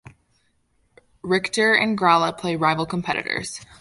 Richter and Gralla play rival competitors.